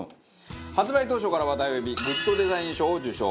発売当初から話題を呼びグッドデザイン賞を受賞。